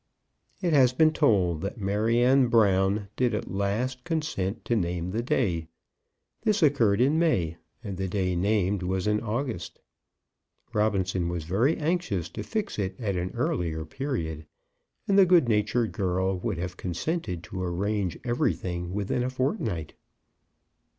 It has been told that Maryanne Brown did at last consent to name the day. This occurred in May, and the day named was in August. Robinson was very anxious to fix it at an earlier period, and the good natured girl would have consented to arrange everything within a fortnight.